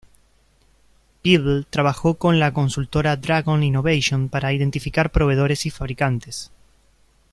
Pebble trabajó con la consultora Dragon Innovation para identificar proveedores y fabricantes.